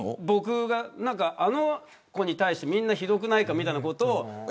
僕があの子に対してみんなひどくないかみたいなことを。